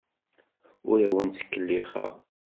Ur awent-ttkellixeɣ.